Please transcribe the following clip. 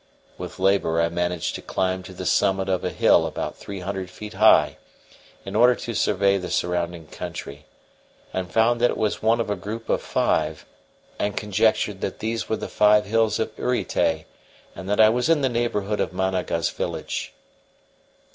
With labour I managed to climb to the summit of a hill about three hundred feet high in order to survey the surrounding country, and found that it was one of a group of five, and conjectured that these were the five hills of Uritay and that I was in the neighbourhood of Managa's village.